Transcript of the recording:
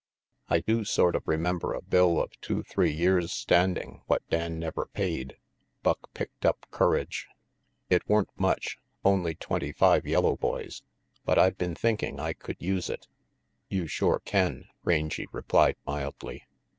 "I do sort of remember a bill of two three years standing what Dan never paid," Buck picked up courage. "It weren't much, only twenty five yellow boys, but I been thinking I could use it." "You shore can," Rangy replied mildly.